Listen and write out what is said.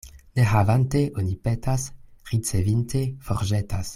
Ne havante, oni petas; ricevinte, forĵetas.